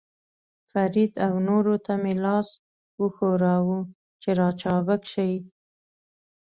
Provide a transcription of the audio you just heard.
فرید او نورو ته مې لاس وښوراوه، چې را چابک شي.